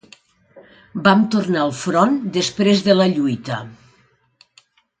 Vam tornar al front després de la lluita